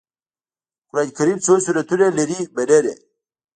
قرآن کريم څو سورتونه لري مننه